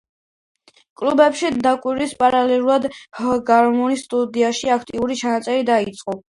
კლუბებში დაკვრის პარალელურად ჰარგროვმა სტუდიაში აქტიური ჩაწერა დაიწყო.